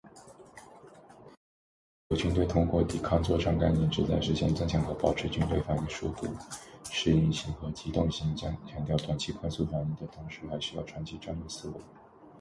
美国军队通过“抵抗作战概念”旨在实现“增强和保持军队反应速度、适应性和机动性，强调短期快速反应的同时，还需要长期战略思维。”